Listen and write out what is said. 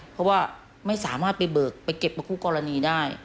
เพราะว่าไม่สามารถไปเบิกไปเก็บกับคู่กรณีได้